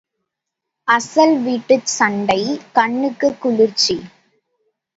அசல் வீட்டுச் சண்டை கண்ணுக்குக் குளிர்ச்சி.